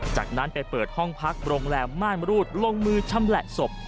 จากนั้นไปเปิดห้องพักโรงแรมม่านมรูดลงมือชำแหละศพ